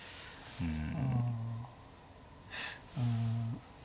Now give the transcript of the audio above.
うん。